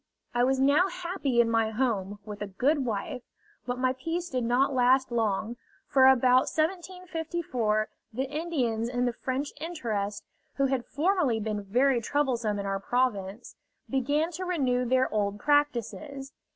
I was now happy in my home, with a good wife; but my peace did not last long, for about 1754 the Indians in the French interest, who had formerly been very troublesome in our province, began to renew their old practices.